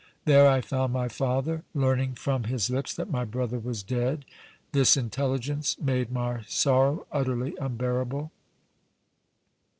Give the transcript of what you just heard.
There I found my father, learning from his lips that my brother was dead. This intelligence made my sorrow utterly unbearable.